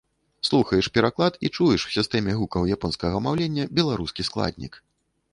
Слухаеш пераклад і чуеш у сістэме гукаў японскага маўлення беларускі складнік.